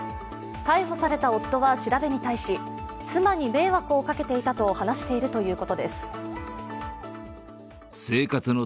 逮捕された夫は調べに対し、妻に迷惑をかけていたと話しているということです。